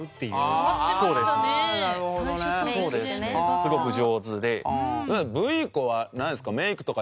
すごく上手で。